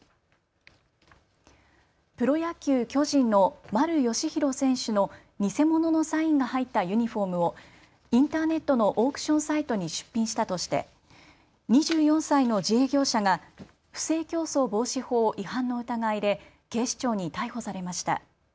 プロ野球、巨人の丸佳浩選手の偽物のサインが入ったユニフォームをインターネットのオークションサイトに出品したとして２４歳の自営業者が不正競争防止法違反の疑いで警視庁に逮捕されました。